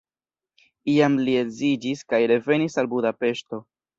Iam li edziĝis kaj revenis al Budapeŝto.